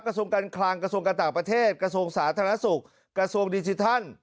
กระทรวงการคลังกระทรวงการต่างประเทศกระทรวงสาธารณสุขกระทรวงดิจิทัล